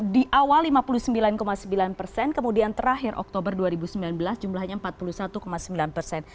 di awal lima puluh sembilan sembilan persen kemudian terakhir oktober dua ribu sembilan belas jumlahnya empat puluh satu sembilan persen